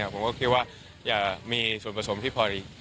ผมก็คิดว่าอย่ามีส่วนผสมที่พอดี